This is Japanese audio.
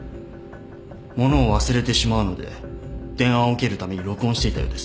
ものを忘れてしまうので電話を受けるたびに録音していたようです。